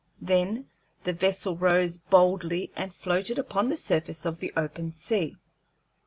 Then the vessel rose boldly and floated upon the surface of the open sea.